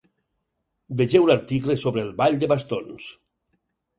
Vegeu l'article sobre el ball de bastons.